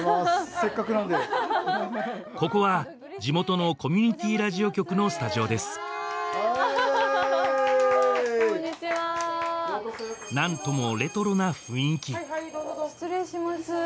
せっかくなのでここは地元のコミュニティーラジオ局のスタジオですはいこんにちは何ともレトロな雰囲気失礼します